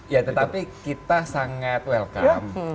ya tetapi kita sangat welcome